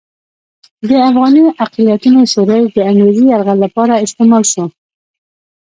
د افغاني اقلیتونو شورش د انګریزي یرغل لپاره استعمال شو.